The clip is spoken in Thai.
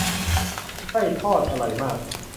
ไส้ทอดอร่อยมาก